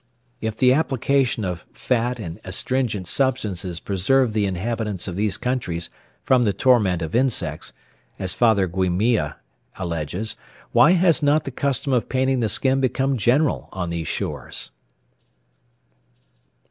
If the application of fat and astringent* substances preserved the inhabitants of these countries from the torment of insects, as Father Gumilla alleges, why has not the custom of painting the skin become general on these shores?